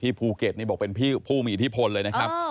ภูเก็ตนี่บอกเป็นผู้มีอิทธิพลเลยนะครับ